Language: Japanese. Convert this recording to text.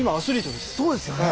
そうですよね。